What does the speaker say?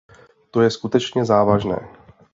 To je skutečně závažné.